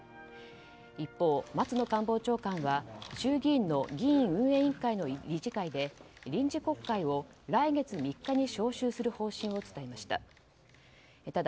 一方、松野官房長官は衆議院の議院運営委員会の理事会で臨時国会を来月３日に召集する方針を伝えました。